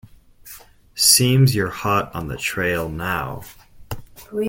Seems you're hot on the trail now.